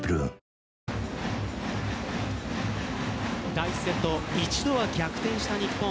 第１セット１度は逆転した日本。